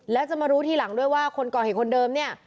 แล้วจะมารู้ทีหลังด้วยว่าคนก่อเหตุคนเดิมเนี่ย